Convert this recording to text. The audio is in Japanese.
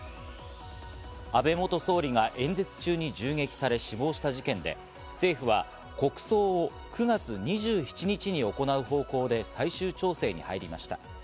安倍元総理が演説中に銃撃され死亡した事件で、政府は国葬を９月２７日に行う方向で最終調整に入りました。